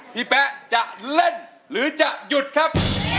แป๊ะจะเล่นหรือจะหยุดครับ